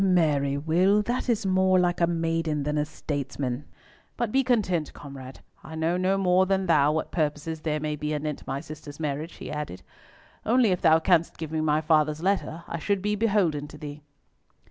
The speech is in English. "Marry, Will, that is more like a maiden than a statesman! But be content, comrade, I know no more than thou what purposes there may be anent my sister's marriage," he added. "Only if thou canst give me my father's letter, I should be beholden to thee."